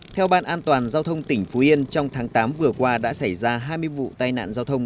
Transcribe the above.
theo ban an toàn giao thông tỉnh phú yên trong tháng tám vừa qua đã xảy ra hai mươi vụ tai nạn giao thông